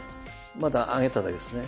まだ上げただけですね。